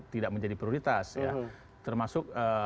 tidak menjadi prioritas termasuk